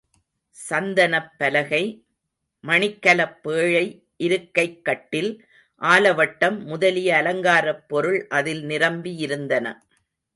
சந்தனப் பலகை, மணிக்கலப் பேழை இருக்கைக் கட்டில், ஆலவட்டம் முதலிய அலங்காரப் பொருள் அதில் நிரம்பியிருந்தன.